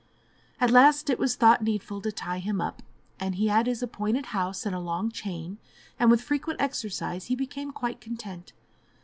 At last it was thought needful to tie him up, and he had his appointed house and a long chain, and with frequent exercise he became quite content.